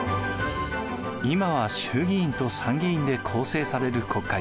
今は衆議院と参議院で構成される国会。